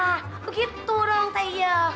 nah begitu dong tante